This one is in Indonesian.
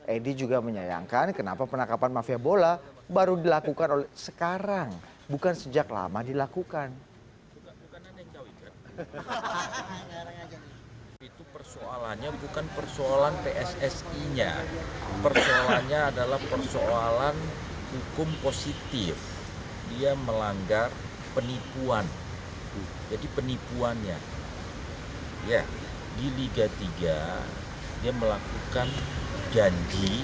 edi juga menyayangkan kenapa penangkapan mafia bola baru dilakukan sekarang bukan sejak lama dilakukan